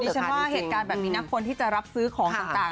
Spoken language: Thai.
ฉันว่าเหตุการณ์แบบนี้นะคนที่จะรับซื้อของต่าง